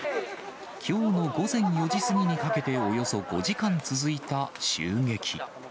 きょうの午前４時過ぎにかけておよそ５時間続いた襲撃。